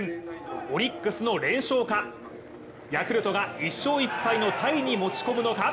オリックスの連勝か、ヤクルトが１勝１敗のタイに持ち込むのか。